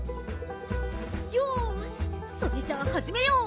よしそれじゃあはじめよう。